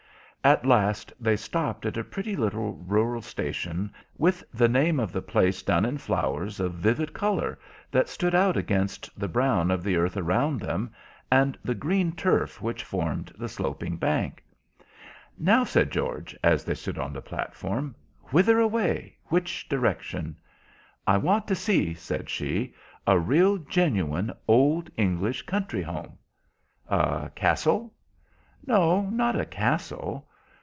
At last they stopped at a pretty little rural station, with the name of the place done in flowers of vivid colour that stood out against the brown of the earth around, them and the green turf which formed the sloping bank. "Now," said George, as they stood on the platform, "whither away? Which direction?" "I want to see," said she, "a real, genuine, old English country home." "A castle?" "No, not a castle."